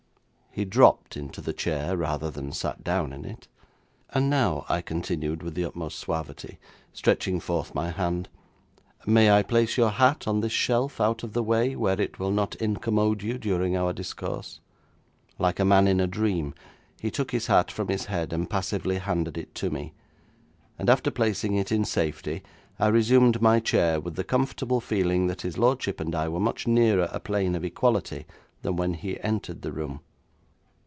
He dropped into the chair, rather than sat down in it. 'And now,' I continued, with the utmost suavity, stretching forth my hand, 'may I place your hat on this shelf out of the way, where it will not incommode you during our discourse?' Like a man in a dream, he took his hat from his head, and passively handed it to me, and after placing it in safety I resumed my chair with the comfortable feeling that his lordship and I were much nearer a plane of equality than when he entered the room.